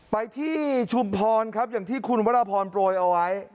ไปที่ชุมพรครับอย่างที่คุณวรพรโปรยเอาไว้